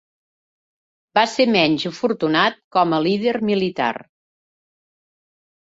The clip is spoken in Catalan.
Va ser menys afortunat com a líder militar.